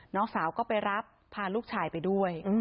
น้องสาวก็ไปรับพาลูกชายไปด้วย